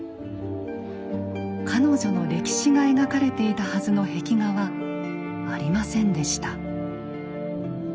彼女の歴史が描かれていたはずの壁画はありませんでした。